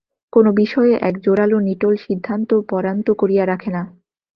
কোনো বিষয়ে এক জোরালো নিটোল সিদ্ধান্ত পরান তো করিয়া রাখে না।